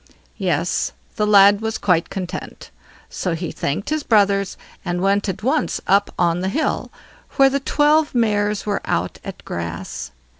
Yes! the lad was quite content; so he thanked his brothers, and went at once up on the hill, where the twelve mares were out at grass.